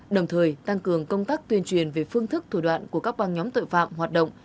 đồng thời tăng cường công tác tuyên truyền về phương thức thủ đoạn của các băng nhóm tội phạm hoạt động